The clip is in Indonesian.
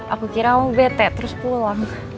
aku kira kamu betek terus pulang